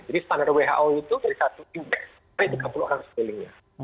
jadi standar who itu dari satu investasi dari tiga puluh orang sekelilingnya